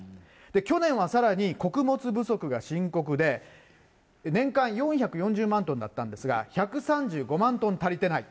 去年はさらに、穀物不足が深刻で、年間４４０万トンだったんですが、１３５万トン足りてない。